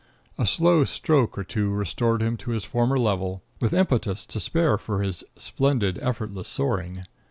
A slow stroke or two restored him to his former level, with impetus to spare for his splendid effortless soaring.